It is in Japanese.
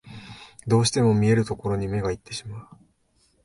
どうしても見えるところに目がいってしまう